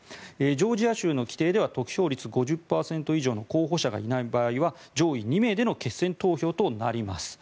ジョージア州の規定では得票率が５０％以上の候補者がいない場合は上位２名での決選投票となります。